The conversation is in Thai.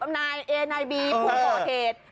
ตัดปำนายานายบีคุณพ่อเทศ